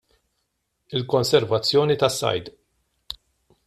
Il-Konservazzjoni tas-Sajd.